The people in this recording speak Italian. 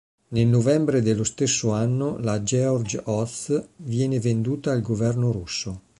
Nel novembre dello stesso anno la "Georg Ots" viene venduta al governo russo.